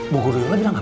bu guru yola bilang apa